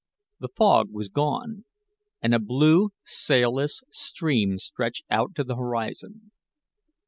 The fog was gone and a blue, sailless sea stretched out to the horizon.